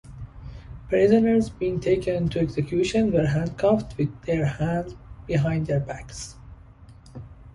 Prisoners being taken to execution were handcuffed with their hands behind their backs.